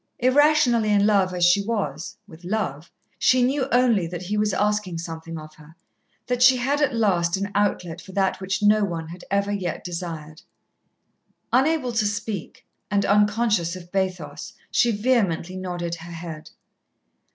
Irrationally in love as she was, with Love, she knew only that he was asking something of her that she had at last an outlet for that which no one had ever yet desired. Unable to speak, and unconscious of bathos, she vehemently nodded her head.